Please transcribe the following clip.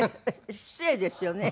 失礼ですよね。